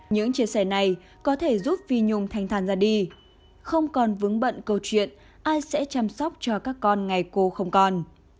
những chia sẻ này có thể giúp phi nhung thanh thàn ra đi không còn vững bận câu chuyện ai sẽ chăm sóc cho các con ngày mai